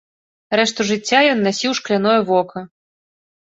Рэшту жыцця ён насіў шкляное вока.